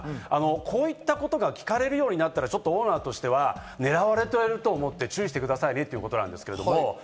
こういったことが聞かれるようになったらオーナーとしては狙われていると思って注意してくださいという点です。